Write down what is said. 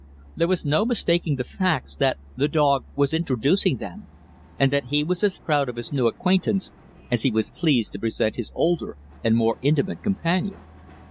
There was no mistaking the facts that the dog was introducing them, and that he was as proud of his new acquaintance as he was pleased to present his older and more intimate companion.